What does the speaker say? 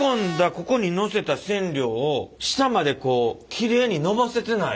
ここにのせた染料を下までこうきれいにのばせてない。